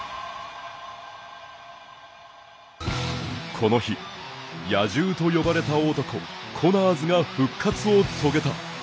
この日、野獣と呼ばれた男コナーズが復活を遂げた。